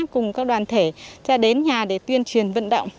cùng các đoàn thể sẽ đến nhà để tuyên truyền vận động